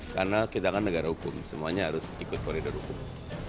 karena kita kan negara hukum semuanya harus ikut koridor hukum